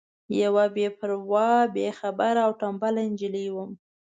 یوه بې پروا بې خبره او تنبله نجلۍ وم.